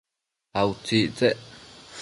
a utsictsec?